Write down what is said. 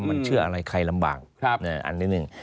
มันเชื่ออะไรใครลำบากอันนี้หนึ่ง